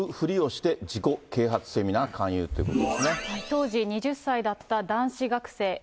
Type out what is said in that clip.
当時２０歳だった男子学生。